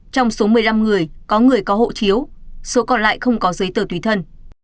trong số một mươi năm người có người có hộ chiếu số còn lại không có giấy tờ tùy thân